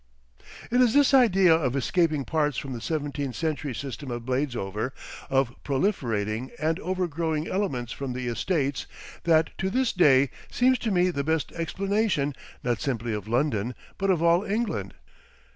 It is this idea of escaping parts from the seventeenth century system of Bladesover, of proliferating and overgrowing elements from the Estates, that to this day seems to me the best explanation, not simply of London, but of all England.